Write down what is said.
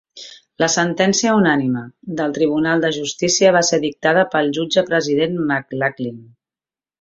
La sentència unànime del Tribunal de Justícia va ser dictada pel jutge president McLachlin.